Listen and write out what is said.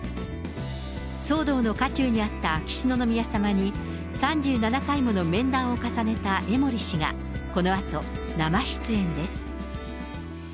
騒動の渦中にあった秋篠宮さまに３７回もの面談を重ねた江森氏が、このあと、生出演です。